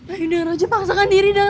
ayo raja paksakan diri